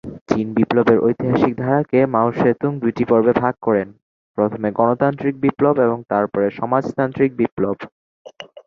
চীন বিপ্লবের ঐতিহাসিক ধারাকে মাও সে তুং দুইটি পর্বে ভাগ করেন, প্রথমে গণতান্ত্রিক বিপ্লব এবং তারপরে সমাজতান্ত্রিক বিপ্লব।